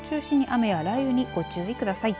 雨や雷雨にご注意ください。